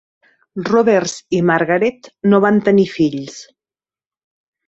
Roberts i Margaret no van tenir fills.